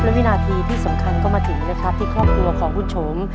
และวินาทีที่สำคัญก็มาถึงนะครับที่ครอบครัวของคุณโฉม